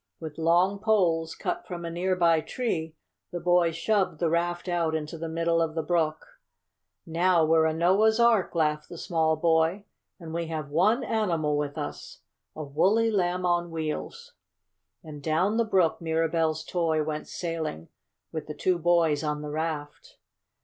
With long poles, cut from a near by tree, the boys shoved the raft out into the middle of the brook. "Now we're a Noah's Ark!" laughed the small boy, "and we have one animal with us a woolly Lamb on Wheels!" And down the brook Mirabell's toy went sailing with the two boys on the raft.